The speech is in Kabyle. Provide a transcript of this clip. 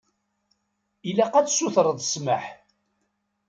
Ilaq ad tsutreḍ ssmaḥ.